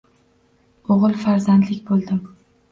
O`g`il farzandlik bo`ldim